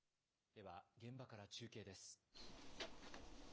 では、現場から中継です。